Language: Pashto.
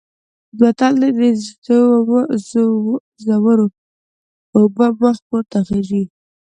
متل دی: د زورو اوبه مخ پورته خیژي.